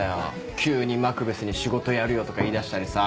急に「マクベスに仕事やるよ」とか言いだしたりさぁ。